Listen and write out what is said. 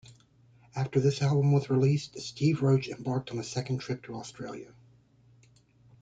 After this album was released, Steve Roach embarked on a second trip to Australia.